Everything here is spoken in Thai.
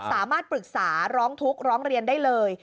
สามารถปรึกษาร้องทุกข์ร้องเรียนได้เลย